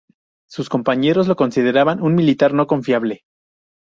Sus compañeros lo consideraban un militar no confiable.